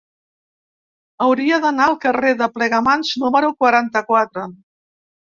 Hauria d'anar al carrer de Plegamans número quaranta-quatre.